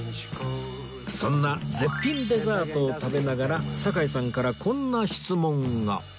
そんな絶品デザートを食べながら堺さんからこんな質問が